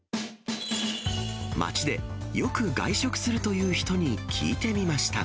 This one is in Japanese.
街でよく外食するという人に聞いてみました。